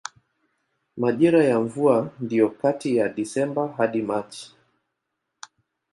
Majira ya mvua ndiyo kati ya Desemba hadi Machi.